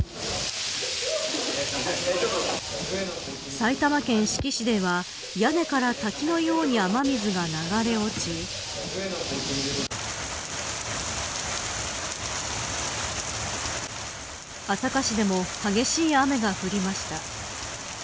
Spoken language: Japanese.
埼玉県志木市では屋根から滝のように雨水が流れ落ち朝霞市でも激しい雨が降りました。